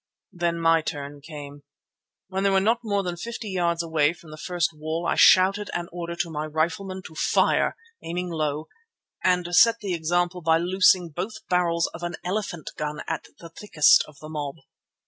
Then my turn came. When they were not more than fifty yards away from the first wall, I shouted an order to my riflemen to fire, aiming low, and set the example by loosing both barrels of an elephant gun at the thickest of the mob.